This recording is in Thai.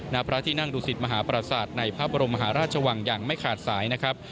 ณพระที่นั่งดูสิตมหาปราศาสตร์ในพระบรมมหาราชวังอย่างไม่ขาดสายนะครับ